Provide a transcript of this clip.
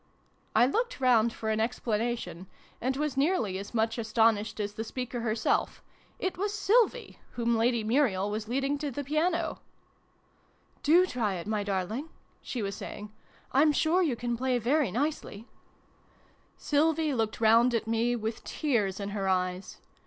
" I looked round for an explanation, and was nearly as much astonished as the speaker her self : it was Sylvie whom Lady Muriel was leading to the piano ! "Do try it, my darling!" she was saying. "I'm sure you can play very nicely !" 176 SYLVIE AND BRUNO CONCLUDED. Sylvie looked round at me, with tears in her eyes.